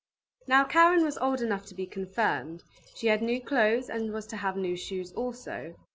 Now Karen was old enough to be confirmed; she had new clothes and was to have new shoes also.